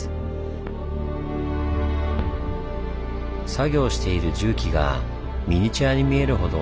作業している重機がミニチュアに見えるほど。